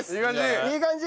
いい感じ！